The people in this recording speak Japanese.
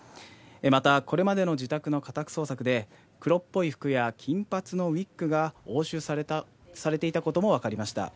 また、これまでの自宅の家宅捜索で、黒っぽい服や金髪のウィッグが押収されていたことも分かりました。